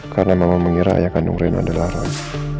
karena mama mengira ayah kandung reina adalah roy